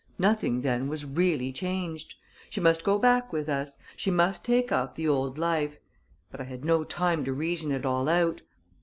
Nothing, then, was really changed. She must go back with us; she must take up the old life But I had no time to reason it all out.